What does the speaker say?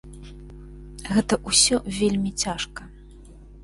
Гэта ўсё вельмі цяжка.